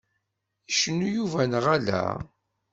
Icennu Yuba neɣ ala?